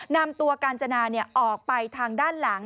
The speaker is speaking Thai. นำตัวกาญจนาออกไปทางด้านหลัง